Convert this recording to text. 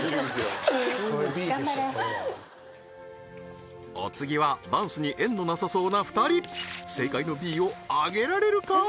頑張れお次はダンスに縁のなさそうな２人正解のＢを挙げられるか？